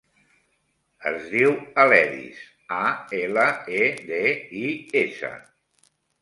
Es diu Aledis: a, ela, e, de, i, essa.